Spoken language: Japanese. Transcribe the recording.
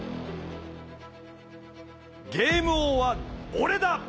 ゲーム王は俺だ！